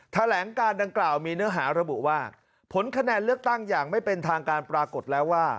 แถลงการดังกล่าวมีเนื้อหาระบุว่าผลคะแนนเลือกตั้งอย่างไม่เป็นทางการปรากฏแล้วว่า